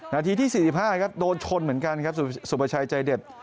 นาทีที่๔๕ครับโดนชนเหมือนกันครับสุประชัยใจเด็ด